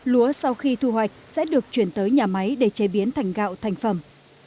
lúa sau khi thu hoạch sẽ được chuyển tới nhà máy để chế biến thành gạo thành phẩm